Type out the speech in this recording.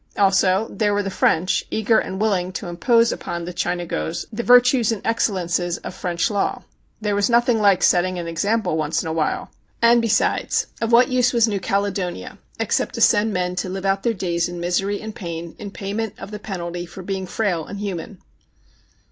Also, there were the French, eager and wilHng to impose upon the Chinagos the virtues and excellences of 15S THE CHINAGO French law. There was nothing like setting an example once in a while; and, besides, of what use was New Caledonia except to send men to live out their days in misery and pain in pay ment of the penalty for being frail and human